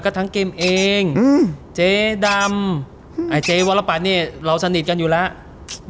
ทั้งกิมเองเจ๊ดำไอ้เจ๊วรปันนี่เราสนิทกันอยู่แล้ว